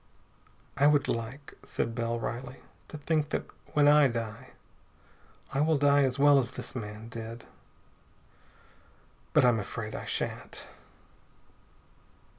"I would like," said Bell wryly, "to think that, when I die, I will die as well as this man did. But I'm afraid I shan't."